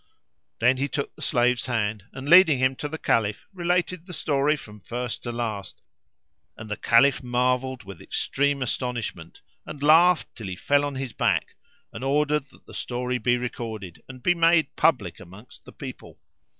Then he took the slave's hand and, leading him to the Caliph, related the story from first to last and the Caliph marvelled with extreme astonishment, and laughed till he fell on his back and ordered that the story be recorded and be made public amongst the people.